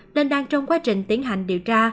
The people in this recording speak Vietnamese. nên đang trong quá trình tiến hành điều tra